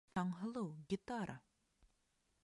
Таңһылыу, гитара!